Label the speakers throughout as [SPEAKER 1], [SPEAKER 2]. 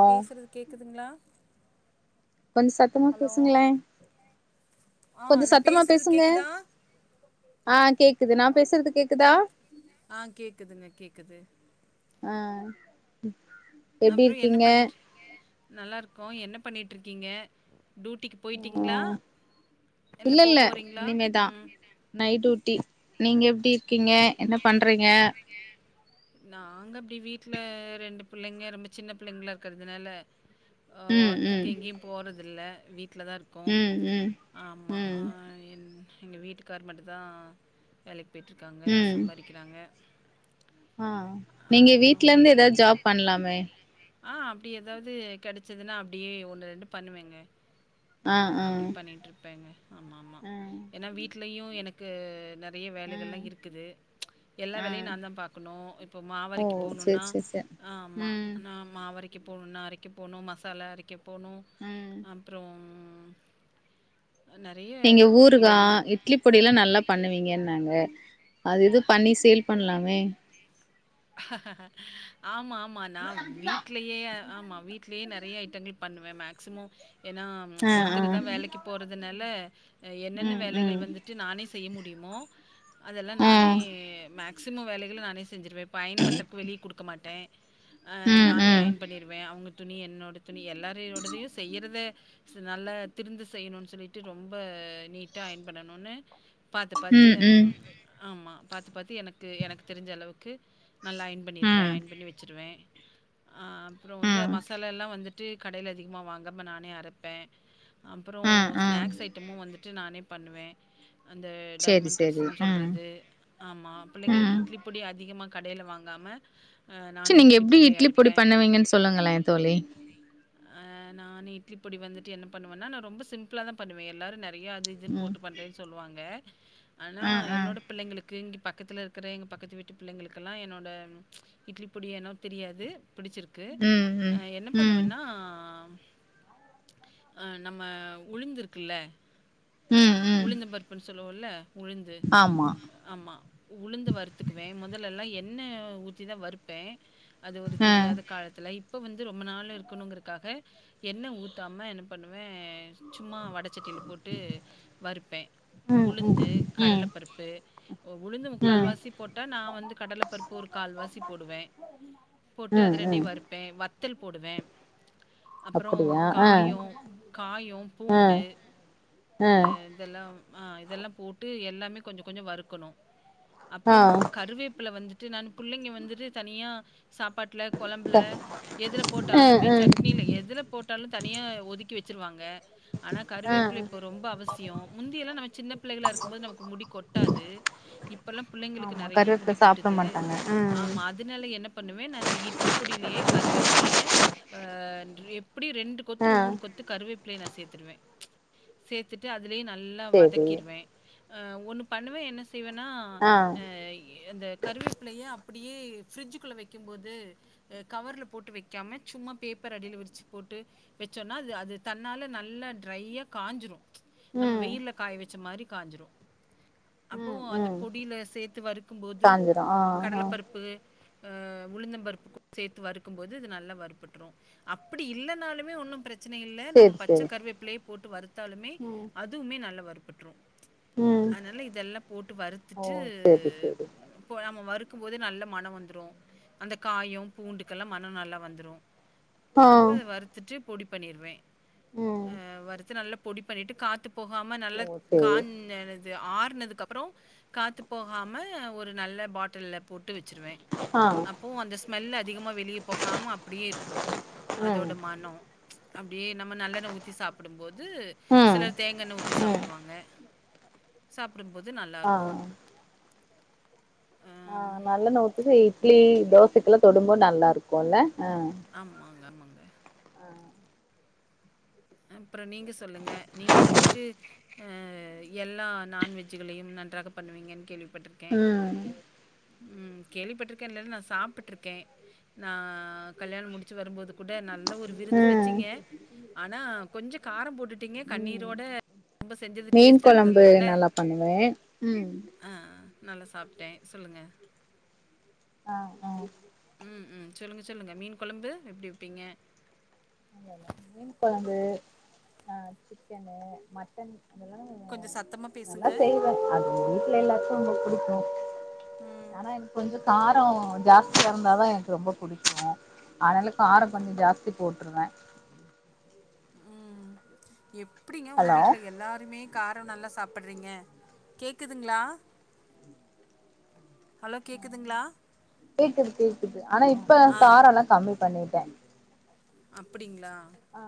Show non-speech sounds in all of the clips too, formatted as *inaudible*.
[SPEAKER 1] ஆ
[SPEAKER 2] பேசுறது கேக்குதுங்களா
[SPEAKER 1] கொஞ்சோ சத்தமா
[SPEAKER 2] ஹலோ
[SPEAKER 1] பேசுங்களே
[SPEAKER 2] ஆ
[SPEAKER 1] கொஞ்சோ
[SPEAKER 2] நா
[SPEAKER 1] சத்தமா
[SPEAKER 2] பேசுறது
[SPEAKER 1] பேசுங்க
[SPEAKER 2] கேக்குதா
[SPEAKER 1] ஆ கேக் க்குது நா பேசுறது கேக்குதா
[SPEAKER 2] ஆ கேக்குதுங்க கேக்குது
[SPEAKER 1] ஆ எப்டி
[SPEAKER 2] அப்றோ என்ன
[SPEAKER 1] இருக்கீங்க
[SPEAKER 2] பண்ணிட்டு *unintelligible* நல்லா இருக்கோ என்னப் பண்ணிட்டு இருக்கீங்க டியூட்டிக்கு போயிட்டீங்ளா
[SPEAKER 1] ஆ
[SPEAKER 2] இல்ல போ போறீங்களா ம்
[SPEAKER 1] நைட் டியூட்டி
[SPEAKER 2] *unintelligible*
[SPEAKER 1] நீங்க எப்டிரு க்கீங்க என்ன பண்றீங்க
[SPEAKER 2] நாங்க அப்டி வீட்ல ரெண்டு பிள்ளைங்க ரொம்ப சின்ன பிள்ளைங்களா இருக்கறதுனால
[SPEAKER 1] ம் ம்
[SPEAKER 2] ஒர்க்குக்கு எங்கேயு போறது தில்ல வீட் ட்ல தா இருக்கோம் ம் ஆமா
[SPEAKER 1] ம்
[SPEAKER 2] ஆ என் எங்க வீட்டுக்கார் மட்டு தா வேலைக்கு போய்ட்ருக்காங்க
[SPEAKER 1] ம்
[SPEAKER 2] சம்பாரிக்கிறாங்க
[SPEAKER 1] ஆ நீங்க வீட்ல இருந்தே ஏதது ஜாப் பண்லாமே
[SPEAKER 2] ஆ, அப்டி ஏதாவது கெடைச்சதுன்னா அப்டியே ஒண்ணு ரெண்டு பண்ணுவேங்க
[SPEAKER 1] ஆ ஆ
[SPEAKER 2] அப்டி பண்ணிட்ருப்பேங்க ஆமா ஆமா
[SPEAKER 1] ஆ
[SPEAKER 2] ஏனா வீட் ட்லயு எனக்கு ந *unintelligible* நெறைய
[SPEAKER 1] ஆ
[SPEAKER 2] வேலைகள்லா இருக் க்குது ம்ச் எல்லா
[SPEAKER 1] ஆ
[SPEAKER 2] வேலையு நா தா பாக்கணு இப்போ
[SPEAKER 1] ஓ
[SPEAKER 2] மாவரைக்க
[SPEAKER 1] சேரி
[SPEAKER 2] போணுன்னா
[SPEAKER 1] சேரி சேரி
[SPEAKER 2] ஆமா
[SPEAKER 1] ம்
[SPEAKER 2] நா மாவரைக் க்கே போனுன்னா அரைக்க போணு மசாலா அரைக்கப் போனு
[SPEAKER 1] ம்
[SPEAKER 2] அப்றோம்
[SPEAKER 1] நீங்க
[SPEAKER 2] ஒர்க்
[SPEAKER 1] ஊருகா
[SPEAKER 2] வெளில
[SPEAKER 1] இட்லி பொடில்லா நல்லா பண்ணுவீங்கனாங்க அது இது பண்ணி சேல் பண்லாமே
[SPEAKER 2] ஆமாம் மா நா வீட்லயே ஆமா வீட்லயே நெறைய ஐட்டங்கள் பண்ணுவே மேக் *unintelligible* மோ ஏன்னா ம்ச்
[SPEAKER 1] ஆ ஆ
[SPEAKER 2] ஒருத்தருதா வேலைக்கு போறதுனால என்னென்ன
[SPEAKER 1] ம் ம்
[SPEAKER 2] வேலைகள் வந்துட்டு நானே செய் செய்ய முடியுமோ அதெல்லா நானே
[SPEAKER 1] ம்
[SPEAKER 2] மேக் சிம்மோ வேலைகள நானே செஞ்சிருவேப் பயன் பண்றக்கு வெளிய குடுக்க மாட்டே ஆ
[SPEAKER 1] ம்
[SPEAKER 2] நானே
[SPEAKER 1] ம்
[SPEAKER 2] அயன் பண்ணிருவே அவங்களுக் துணி என்னோட துணி எல்லாரோயோடதையு செய்யறத ஸ் நல்லா திருந்த செய்யணுனு சொல்லிட்டு ரொம்ப நீட்டா அயன் பண்ணணுனு பாத்து பாத்து ம் ஆமா பாத்து பாத்து எனக்கு எனக்கு தெரிஞ்ச அளவுக்கு நல்லா அயன் பண்ணிருவே
[SPEAKER 1] ம்
[SPEAKER 2] ஆயன் பண்ணி வச்சுருவே ஆ அப்றோ வந்து
[SPEAKER 1] ம்
[SPEAKER 2] மசாலா எல்லா வந்துட் ட்டு கடையில அதிகமா வாங்காம நானே அரப்பே அப்றோ
[SPEAKER 1] ம் ம்
[SPEAKER 2] ஸ்நாக்ஸ் ஐட்டமு வந்துட் ட்டு நானே பண்ணுவே அந்த
[SPEAKER 1] சேரி
[SPEAKER 2] டைமண்ட்
[SPEAKER 1] சேரி
[SPEAKER 2] கட்ஸ்ன்னு
[SPEAKER 1] ம்
[SPEAKER 2] சொல்றது ஆமா பிள்ளைங்களுக்கு
[SPEAKER 1] ம்
[SPEAKER 2] இட்லி பொடி அதிகமா கடையில வாங்காம அ
[SPEAKER 1] சேரி
[SPEAKER 2] நானே
[SPEAKER 1] நீங்க எப்டி
[SPEAKER 2] பொடிய
[SPEAKER 1] இட்லி பொடி
[SPEAKER 2] அரைப்பேன்.
[SPEAKER 1] பண்ணுவீங்கன்னு சொல்லுங்களேன் தோழி
[SPEAKER 2] ஆ நானு இட்லி பொடி வந்துட்டு என்ன பண்ணுவேன்னா நா ரொம்ப சிம்பிளா தான் பண்ணுவ எல்லாரு நெற கென்யா அது இதுன்
[SPEAKER 1] ம்
[SPEAKER 2] போட்டு பண்றேனு சொல்லுவாங்க ஆனா
[SPEAKER 1] ம் ம்
[SPEAKER 2] என்னோட பிள்ளைங்களுக் இங்க பக்கத்தில இருக்க எங்க பக்கத்து விட்டு பிள்ளைங்களுக் கெல்லா என்னோட ப்ச் இட்லி பொடி ஏனோ தெரியாது பிடிச்சிருக்கு நா
[SPEAKER 1] ம் ம்
[SPEAKER 2] என்ன
[SPEAKER 1] ம்
[SPEAKER 2] பண்ணுவேன்னா அஹ் நம்ம உழுந்திருக்கில்ல
[SPEAKER 1] ம் ம்
[SPEAKER 2] உளுந்த பருப்புனு சொல்லுவோல்ல உளுந்து
[SPEAKER 1] ஆமா
[SPEAKER 2] ஆமா உளுந்து வருத்துக்குவே முதலெல்லா என் என்ன ஊத்திதா வருப்ப அது ஒரு
[SPEAKER 1] ஆ
[SPEAKER 2] தெரியாத காலத்துல இ இப்போ வந்து ரொம்ப நாளா இருக்கணுங்கறக்காக எண்ண ஊத்தாம என்ன பண்ணுவ சும்மா வடச்சட்டியில போட்டு வறுப்பேன்
[SPEAKER 1] ம் ம்
[SPEAKER 2] உளுந்து
[SPEAKER 1] ம்
[SPEAKER 2] கடலப்பருப்பு உளுந்து முக்கால்
[SPEAKER 1] ம்
[SPEAKER 2] வாசி போட்டா நா வந்து கடல பருப்பு ஒரு கால்வாசி போடுவே போட்டு
[SPEAKER 1] ம்
[SPEAKER 2] அது ரெண்டயு
[SPEAKER 1] ம்
[SPEAKER 2] வறுப்பே வத்தல் போடுவே அப்புறம்
[SPEAKER 1] அப்படியா ஆ
[SPEAKER 2] காயும் காயம்
[SPEAKER 1] ஆ
[SPEAKER 2] பூண்டு
[SPEAKER 1] ஆ
[SPEAKER 2] இதெல்லா இதெல்லா போட்டு எல்லாமே கொஞ்சோ கொஞ்சோ வறுக்கணு
[SPEAKER 1] ஆ
[SPEAKER 2] அப்புறோ கருவேப்புல வந்து ட்டு நா பிள்ளைங்க வந்துட்டு தனியா சாப்பாட்டில்ல
[SPEAKER 1] க
[SPEAKER 2] குழம்புல எதுல போட்டாலுமே சட்னியில எதுல போட்டாலூ தனியா ஒதுக்கி வெ வச்சுருவாங்க ஆனா
[SPEAKER 1] ஆ
[SPEAKER 2] கருவேப்பில இப்ப ரொம்ப அவசி சியம் முந்தியெல்லா நம்ம சின்ன பிள்ளைகளாக இருக்கும்போது நமக்கு முடி கொட்டாது இப்பெல்லா பிள்ளைங்களுக்கு
[SPEAKER 1] ஆமா
[SPEAKER 2] நெறயா
[SPEAKER 1] கருவேப்பில
[SPEAKER 2] முடி
[SPEAKER 1] சாப்ட
[SPEAKER 2] கொட்டுது
[SPEAKER 1] மாட்டாங்க ம்
[SPEAKER 2] ஆமா அதுனால என்ன பண்ணுவே நா இந்த இட்லி பொடிலயே கருவேப்பில்லய ட்ரிப் எப்படியு ரெண்டு கொத்து
[SPEAKER 1] ஆ
[SPEAKER 2] மூணு கொத்து கருவே நான் சேர்த்தடுவே ப்ச் சேர்த்து அதுலயு நல்லா
[SPEAKER 1] சேரி
[SPEAKER 2] வதக்கிடுவே ஒன்று பண்ணுவே என்ன செய்வனா
[SPEAKER 1] ஆ
[SPEAKER 2] எ இந்த கருவேப்பிலய அப்படியே ஃப்ரிட்ஜுக்குள்ள வெக்கும்போது கவர்ல் போட்டு வெக்காம சும்மா பேப்பர் அடியில விரிச்சு போட்டு வெச்சோன்னா அது அது தன்னால நல்லா ட்ரையா காயஞ்சிரு நம்ம
[SPEAKER 1] ம்
[SPEAKER 2] வெயில காய் வச்ச மாரி காஞஜரோ அப்போ
[SPEAKER 1] ம்
[SPEAKER 2] அந்த
[SPEAKER 1] ம்
[SPEAKER 2] பொடியில சேர்த்து வறுக்கும்போது
[SPEAKER 1] காஞ்சிரு ஆ ஆ
[SPEAKER 2] கடலப்பருப்பு உளுந்தம்பருப்பு சேர்த்து வறுக்கும் போது இது நல்ல வருப்பட்டுரும் அப்படி இல்லனாலுமே ஒன்னும் பிரச் சனைல்ல நம்ம
[SPEAKER 1] சேரி
[SPEAKER 2] பச்ச
[SPEAKER 1] சேரி
[SPEAKER 2] கருவேப்பிள்ளை போட்டு வரு தாலுமே
[SPEAKER 1] ம்
[SPEAKER 2] ஈன் நல்ல வறுப்பட்ரும்
[SPEAKER 1] ம்
[SPEAKER 2] அனால இதெல்லாம் போட்டு
[SPEAKER 1] ஓ
[SPEAKER 2] வறுத்துட்டு
[SPEAKER 1] சேரி சேரி
[SPEAKER 2] கொலமு வரு- க்கும்போதே நல்ல மணம் வந்துரு அந்த காயொம் பூண்டுக்கெல்லா மண நல்லா வந்துரு
[SPEAKER 1] ஆ
[SPEAKER 2] அப்ப அத வறுத்துட்டு பொடி பண்ணிருவே
[SPEAKER 1] ம்
[SPEAKER 2] அஹ் வருத்து நல்ல பொடி பண்ணிட்டு காத் போகாம நல்ல
[SPEAKER 1] ஓ சேரி
[SPEAKER 2] காஞ னது ஆறு துக்குப்புறோ காத்து போகாம ஒரு நல்ல பாட்டில போட் ட்டு வச்சிருவ
[SPEAKER 1] ஆ
[SPEAKER 2] அப்பவு அந்த ஸ்மெல் அதிகமா வெளிய போகாம அப்டியே இருக்கும்
[SPEAKER 1] ம்
[SPEAKER 2] அதோட மணம் அப்படியே நம்ம நல்லெண்ண ஊத்தி சாப்பிடும் போது
[SPEAKER 1] ம்
[SPEAKER 2] சிலர் தேங்காண்ண ஊத்தி
[SPEAKER 1] ம்
[SPEAKER 2] சாப்டுவாங்க சப் சாப்பிடுபோது
[SPEAKER 1] ஆ
[SPEAKER 2] நல்லாருக்கும் அம்
[SPEAKER 1] ஆஹ் நல்லணூத்தி இட்லி தோசைக்கெல்லா தொடும்போ நல்லா இருக்குல்ல ஆ
[SPEAKER 2] ஆமாங்க ஆமா அப்புறம் நீங்க சொல்லுங்க நீங்க வந்துட்டு அஹ் எல்லா நாண்வெஜ்களையும் நன்றாக பண்ணுவீங்கன்னு கேள்விப
[SPEAKER 1] உம்
[SPEAKER 2] உம் கேள்விப்பட்டிருக்கே நா சாப்ட்டுருக்கே நா கல்யாணம் முடிச்சு வரும்போது கூட நல்ல ஒரு விருந்து
[SPEAKER 1] ம்
[SPEAKER 2] வச்சிங்க அ கொஞ்ச காரம் போட்டு ட்டுடீங்க
[SPEAKER 1] ம்
[SPEAKER 2] கண்ணீரோட ரொம்ப சஞ்ஜது
[SPEAKER 1] மீன் கொழம்பு
[SPEAKER 2] டேஸ்ட்டாருந்ததுனால
[SPEAKER 1] நல்லா பண்ணுவே ம்
[SPEAKER 2] அ நல்லா சாப்ட்டே சொல்லுங்க
[SPEAKER 1] ஆஹ் அஹ
[SPEAKER 2] ம் ம் சொல்லுங்க சொல்லுங்க மீன் கொழம்பு எப்படி வப்பீங்க
[SPEAKER 1] மீன் குழம்பு அஹ் சிக்கன்னு மட்டனு
[SPEAKER 2] கொஞ்ச சத்தமா பேசுங்க
[SPEAKER 1] அது வீட்ல எல்லாத்துக்கு *unintelligible* புடிக்கு
[SPEAKER 2] ம்,
[SPEAKER 1] ஆனா எனக் கொஞ்சொ காரோ ஜாஸ்தியா ருந்தா தா எனக்கு ரொம்ப புடிக்கு அத்னால காரோ கொஞ்சோ ஜாஸ்தி போட்டுருவ
[SPEAKER 2] உம் எப் ப்டிங்க உங்க
[SPEAKER 1] ஹலோ
[SPEAKER 2] வீட்ல எல்லாருமே காரோ நல்லா சாப்பிட்றீங்க கேக்குதுங்ளா ஹலோ கேக்குதுங்ளா
[SPEAKER 1] கேக்குது கேக்குது ஆனா இப்ப காரோ ல்லா கம்மி பண்ணிட்டே
[SPEAKER 2] அப்புடிங்ளா
[SPEAKER 1] அ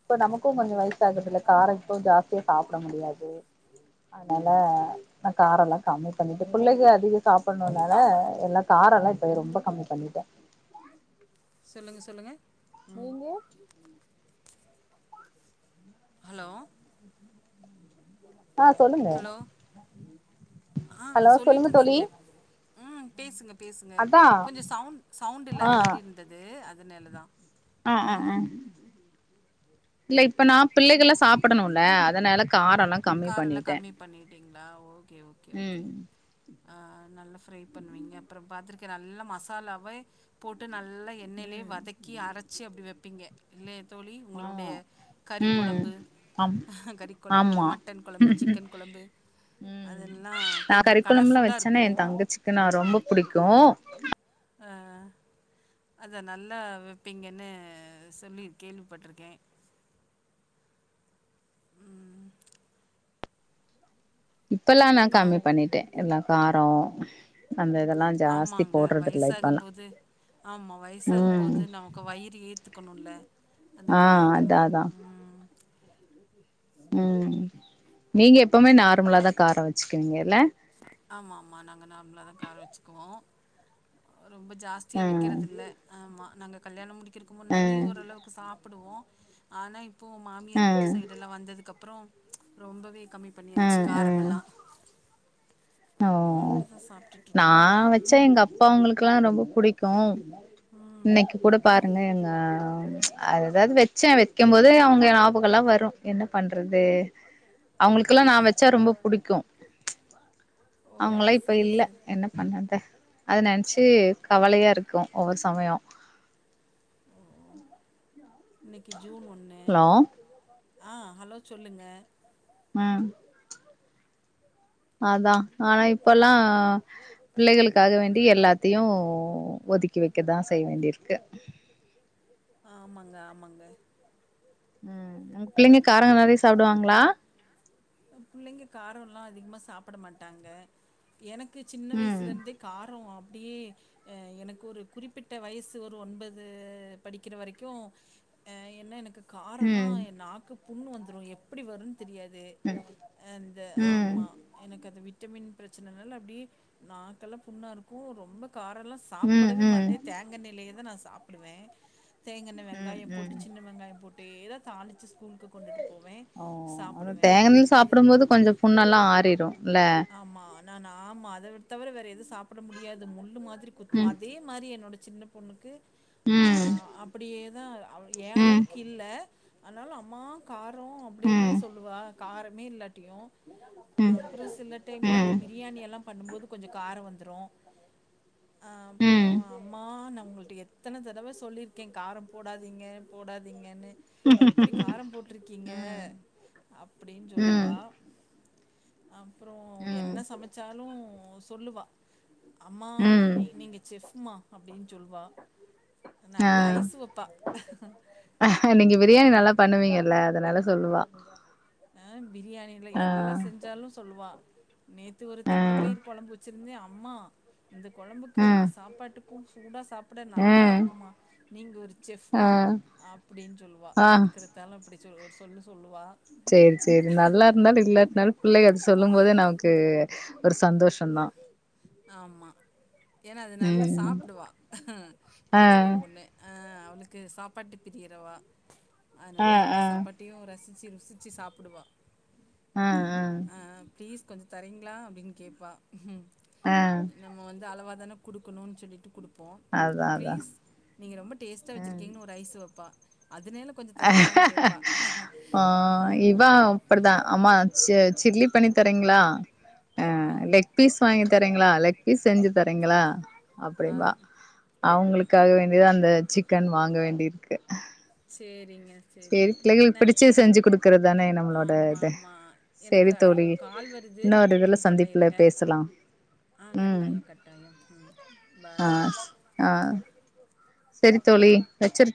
[SPEAKER 1] இப்ப நமக்கு கொஞ்சோ வயசு ஆகுது இல்ல கார இப்ப ஜாஸ்தியா சாப்ட முடியாது அதனால நா கார எல்லா கம்மி பண்ணிட்டு பிள்ளைக அதிக சாப்பனுள்ள அதனால எல்லா காரோ எல்லா ரொம்ப கம்மி பண்ணிட்ட
[SPEAKER 2] சொல்லுங்க சொல்லுங்க
[SPEAKER 1] நீங்க
[SPEAKER 2] ஹலோ
[SPEAKER 1] அ சொல்லுங்க
[SPEAKER 2] ஹலோ ஆ
[SPEAKER 1] ஹலோ சொல்லுங்க தோலி
[SPEAKER 2] சொல்லிட்ருந்தீங்களே ம் பேசுங்க பேசுங்க கொஞ்சோ சவுண் சவுண்ட் இல்லாத மாரி இருந்துது அத னேலதா
[SPEAKER 1] அ அ அ இல்ல இப்ப நா பிள்ளைகள்லா சாப்டணுல்ல அதனால காரெல்லா கம்மி பண்ணிட்ட
[SPEAKER 2] *unintelligible* கே ஓகே ஓகே அ நல்ல ஃப்ரை பண்ணுவீங்க அப்றோ பாத்துருக்கற நல்லா மசாலாவை போட்டு நல் எல்ல எண்ணெலயே
[SPEAKER 1] ம்
[SPEAKER 2] வதக்கி அரச்சு அப்டி வெப்பீங்க இல்லே தோலி
[SPEAKER 1] ஆமா
[SPEAKER 2] உங்குளுடைய கறி
[SPEAKER 1] ம்
[SPEAKER 2] கொழம்பு
[SPEAKER 1] ஆம்
[SPEAKER 2] கறி கொழம்பு
[SPEAKER 1] ஆமா
[SPEAKER 2] மட்டன் கொழம்பு
[SPEAKER 1] ம் ம்
[SPEAKER 2] சிக்கன் கொழம்பு
[SPEAKER 1] ம்
[SPEAKER 2] அதெல்லா
[SPEAKER 1] நா
[SPEAKER 2] கொஞ்சோ
[SPEAKER 1] கறிக்கொலம்புல்லா
[SPEAKER 2] கலர்ஃபுல்லா
[SPEAKER 1] வச்சேன்னா எ
[SPEAKER 2] இருக்கு
[SPEAKER 1] தங்கச்சிக்கு நா ரொம்ப புடிக்கு
[SPEAKER 2] அ அத நல்லா வப்பீங்கன்னு சொல்லி கேள்விப்பட்டிருக்கே
[SPEAKER 1] இப்பெல்லா நா
[SPEAKER 2] அப்புறம்
[SPEAKER 1] கம்மி பண்ணிட்டே எல்லா காரம்
[SPEAKER 2] ஆமாங்க வயசாகும்போது ஆமா
[SPEAKER 1] ம்
[SPEAKER 2] வயசாகும்போது நமக்கு வயிறு எரி த்துக்கணுல்ல அந்த
[SPEAKER 1] ஆ அதா
[SPEAKER 2] காரத்தல்லாம் உம்
[SPEAKER 1] உம் நீங்க எப்பவுமே நார்மலாதான் காரம் வச்சுக்கீங்கல்ல
[SPEAKER 2] ஆமா ஆமாம் நாங்க நார்மலா தான் காரம் வச்சுக்குவோம் ரொம்ப ஜாஸ்தியா
[SPEAKER 1] ஆ
[SPEAKER 2] வக்கிறதில்லை ஆமாம் நாங்க கல்யாணம் முடி கிருக்கு
[SPEAKER 1] ஆ
[SPEAKER 2] முன்னாடி ஓரளவுக்கு சாப்பிடுவோம் ஆனா இப் இப்போ
[SPEAKER 1] ஆ
[SPEAKER 2] மாமியார் வீட்டு சைடு எல்லாம் வந்ததுக்கு அப் அப்றோ ரொம்பவே கம்மி
[SPEAKER 1] ஆ
[SPEAKER 2] பண்ணியாச்சி
[SPEAKER 1] ஆ
[SPEAKER 2] காரமெல்லா
[SPEAKER 1] ஓ நா
[SPEAKER 2] இருக்கோம்
[SPEAKER 1] வச்ச எங்க அப்பா அவங்களுக்ல்லாம் ரொம்ப புடிக்கும்
[SPEAKER 2] ம்
[SPEAKER 1] இன்னைக்கி கூட பாருங்க எங்க ஆ அது எதாவது வச்சே வைக்கம்போதே அவங்க ஞாபகம் எல்லா வரும் என்ன பண்றது அவங்களுக்கெல்லா நா
[SPEAKER 2] இறந்
[SPEAKER 1] வெச்ச ரொம்ப புடிக்கும்
[SPEAKER 2] ஓ
[SPEAKER 1] அவங்களா இப்ப
[SPEAKER 2] செரி
[SPEAKER 1] இல்ல
[SPEAKER 2] செரி
[SPEAKER 1] என்ன பண்ணறது அத நெனைச்சி கவலையா இருக்கும் ஒவ்வொரு சமயம்
[SPEAKER 2] இன்னைக்கி ஜூன் ஒன்னு
[SPEAKER 1] ஹலோ
[SPEAKER 2] ஆ ஹலோ சொல்லுங்க
[SPEAKER 1] ம் அதா ஆனா இப்பல்லா பிள்ளைகளுக்காக வேண்டி எல்லாத் த்தியும் ஒதுக்கி வைக்கதா செய்ய வேண்டியிருக்கு
[SPEAKER 2] ஆமாங்க ஆமாங்க
[SPEAKER 1] ம் உங்க பிள்ளைங்க கார நெறைய சாப்டுவாங்களா
[SPEAKER 2] எங் புள்ளைங்க காரம் லா அதிகமா சா சாப்ட மாட்டாங்க எனக் சின்ன
[SPEAKER 1] ம்
[SPEAKER 2] வயசுல இருந்தே காரோ ப்டியே அ எனக்கு ஒரு குறிப்பிட்ட வயசு ஒரு ஒன்பது படிக்கிற வரைக்கு அ என்ன எனக்கு காரணா
[SPEAKER 1] ம்
[SPEAKER 2] என் நாக்கு புண்ணு வந்துரு எப்படி வருனு தெரியாது
[SPEAKER 1] ம்
[SPEAKER 2] அந்த
[SPEAKER 1] ம்
[SPEAKER 2] ஆமா எனக்கு அது விட் விட்டமின் பிரச்சனைநல அப்டியே நாக்கெல்லாம் புண்ணா இருக்கும் ரொம்ப காரெல்லாம்
[SPEAKER 1] ம்
[SPEAKER 2] சாப்பிடவே
[SPEAKER 1] ம்
[SPEAKER 2] மாட்டேன் தேங்க எண்ணெய்ல தான் நான் சாப்டுவேன் தேங்கண்ண
[SPEAKER 1] ம்
[SPEAKER 2] வெங்காயம் போட்டு
[SPEAKER 1] ம்
[SPEAKER 2] சின்ன வெங்காயம் போட்டு டேர தாளுச்சுஸ் கூல்க்கு கொண்டுட்டு போவே சாப்புடுவே
[SPEAKER 1] சாப்புடும் போது கொஞ்சொ புண்ணெல்லா ஆறிரு ல
[SPEAKER 2] நான் ஆமா அத விட் தவிர வேற எது சாப்புட முடியாது முள்ளு மா துரி குத்தூ
[SPEAKER 1] ம்
[SPEAKER 2] அதே மாரி என்னோட சின்ன பொண்ணுக்கு ஆ
[SPEAKER 1] ம்
[SPEAKER 2] அப்புடியேதா அ ஏ
[SPEAKER 1] ம்
[SPEAKER 2] அளவுக்கு இல்ல ஆனாலு அம்மா கா ரோ அப்டின்னே
[SPEAKER 1] ம்
[SPEAKER 2] சொல்லுவா காரமே இல்லாட்டியூ
[SPEAKER 1] ம்
[SPEAKER 2] த டைம்ல அந்த
[SPEAKER 1] ம்
[SPEAKER 2] பிரியாணி எல்லா பண்ணும்போது கொஞ்ச கார வந்துரூ அ அப்போ
[SPEAKER 1] ம்
[SPEAKER 2] அம்மா ந உங்கள் டு எத்தன தடவ சொல்லிர்க்கே காரம் போடாதீங்க போடாதீங்கன்னு எப்புடி காரம் போட்ருக்கீங்க
[SPEAKER 1] ம்
[SPEAKER 2] அப்புடீன்
[SPEAKER 1] ம்
[SPEAKER 2] சொல்லுவா அப்புறோ என்ன சமச்சாலூ சொல்லுவா அம்மா
[SPEAKER 1] ம்
[SPEAKER 2] நீ நீங்க செஃப்மா அப்டின் சொல்லுவா நல்லா
[SPEAKER 1] ஆ
[SPEAKER 2] ஐசுவப்பா
[SPEAKER 1] தனால சொல்லுவா
[SPEAKER 2] அ பிரியாணில
[SPEAKER 1] ஆ
[SPEAKER 2] எல்லா செஞ்சாலு சொல்லுவா நேத்து ஒரு
[SPEAKER 1] ஆ
[SPEAKER 2] தட்டப்பயிர் கொழம்பு வச்சிருந்தே அ அம்மா இந்த கொழம்புக்கு
[SPEAKER 1] ஆ
[SPEAKER 2] ஒங்க சாப்பாட்டுக்கூ சூ சூடா சாப் ப்புட
[SPEAKER 1] ஆ
[SPEAKER 2] நல்லா இருக்குமா நீங்க ஒரு
[SPEAKER 1] ஆ
[SPEAKER 2] செஃப்மா அப்டின் சொல்லுவா
[SPEAKER 1] ஆ
[SPEAKER 2] எதுக்கடுத்தாலு அப்டி சொ ஒரு சொல்லு சொல்லுவா
[SPEAKER 1] சேரி சேரி நல்லார்ந்தாலு இல்லாட்னாலு புள்ளைகதுஸ் சொல்லும் போதே நமக்கு ஒரு சந்தோஷந்தா
[SPEAKER 2] ஆமா ஏன்னா அது நல்லா
[SPEAKER 1] ம்
[SPEAKER 2] சாப்டுவா
[SPEAKER 1] ஆ
[SPEAKER 2] எங்க சின்ன பொண்ணு ஆ அவள்க்கு சாப்பாட்டு பிரியிறவா
[SPEAKER 1] ஆ
[SPEAKER 2] அதனால எல்லா
[SPEAKER 1] ஆ
[SPEAKER 2] சப்பாட்டயு ரசிச் சு ருசிச்சு சாப்புடுவா
[SPEAKER 1] ஆஹ் ஆஹ்
[SPEAKER 2] கொஞ்சோ தரீங்ளா அப்டின் கேப்பா உஹ்ம்
[SPEAKER 1] ஆ
[SPEAKER 2] நம்ம வந்து அளவாதான குடுக்குணுனு சொல்லிட்டு குடுக் போ
[SPEAKER 1] அதா அதா
[SPEAKER 2] ப்ளீஸ் நீங்க ரொம்ப டேஸ்ட்டா வச்சுருக்கீங்கன்னு ஒரு ஐஸ் வப்பா அ.
[SPEAKER 1] ஆஹ் இவ அப்டிதா அமா ச சில்லி பண்ணி தரீங்ளா ஆஹ் லெக் பீஸ் வாங்கி தரீங்ளா லெக் பி செஞ்சு தரீங்களா
[SPEAKER 2] ஆ.
[SPEAKER 1] அப்டிபா அவங்களுக் காக வேண்டிதா அந்த சிக்கன் வாங்க வேண்டிருக்கு
[SPEAKER 2] சேர்ரிங் ம் சேர்ரீங்க
[SPEAKER 1] பிடிச்சது செஞ்சு குடுக்கறது தானே நம்மளோட இது
[SPEAKER 2] ஆமாமா எனக்கு
[SPEAKER 1] சேரி
[SPEAKER 2] அ
[SPEAKER 1] தோழி
[SPEAKER 2] ஒரு கால் வருது நானு
[SPEAKER 1] இன்னொரு இதுல
[SPEAKER 2] கூப்பட்ற
[SPEAKER 1] சந்திப்புல
[SPEAKER 2] இருங்க
[SPEAKER 1] பேசலா
[SPEAKER 2] அ
[SPEAKER 1] ம்
[SPEAKER 2] கட்டாயோ கட்டாயோ
[SPEAKER 1] ஆ
[SPEAKER 2] பாய்
[SPEAKER 1] ஆ செரி தோழி வச்சர்